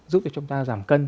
giúp cho chúng ta giảm cân